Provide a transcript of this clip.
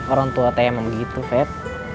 orang tua teh emang begitu feb